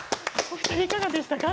お二人いかがでしたか？